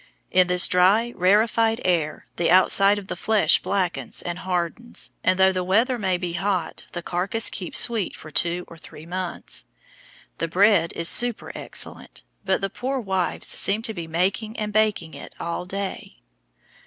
In this dry, rarefied air, the outside of the flesh blackens and hardens, and though the weather may be hot, the carcass keeps sweet for two or three months. The bread is super excellent, but the poor wives seem to be making and baking it all day.